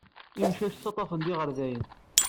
Imcac ttaḍḍafen-d iɣerdayen.